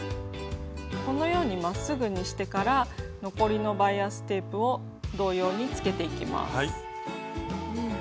このようにまっすぐにしてから残りのバイアステープを同様につけていきます。